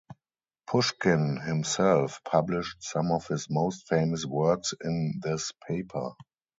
Pushkin himself published some of his most famous works in this paper.